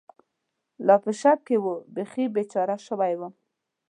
لا په شک کې و، بېخي بېچاره شوی ووم.